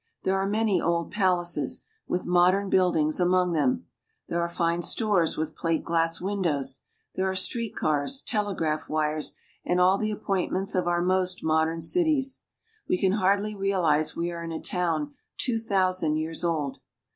There are many old palaces, with modern buildings among them ; there are fine stores with plate glass windows ; there are street cars, telegraph wires, and all the appointments of our most modern cities. We can hardly realize we are in a town two thousand years old.